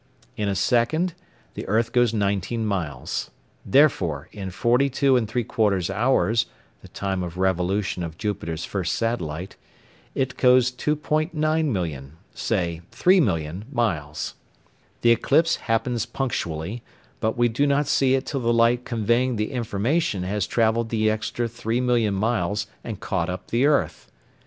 In a second the earth goes nineteen miles; therefore in 42 3/4 hours (the time of revolution of Jupiter's first satellite) it goes 2·9 million (say three million) miles. The eclipse happens punctually, but we do not see it till the light conveying the information has travelled the extra three million miles and caught up the earth.